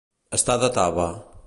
Estar de taba.